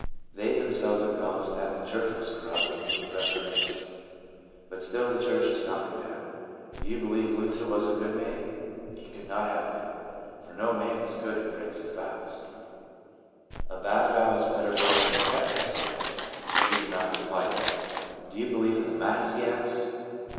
They themselves acknowledged that the church was corrupt and needed reformation. But still the church did not go down. Do you believe Luther was a good man ? He could not have been, for no man is good who breaks his vows." 63 TRANSFORMED. " A bad vow is better broken than kept," I said ; but he did not reply to that. " Do you believe in the Mass ?" he asked.